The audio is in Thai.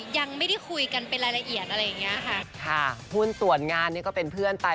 ยังไม่ได้คุยกันเป็นรายละเอียดอะไรอย่างเงี้ยค่ะค่ะหุ้นส่วนงานนี่ก็เป็นเพื่อนไป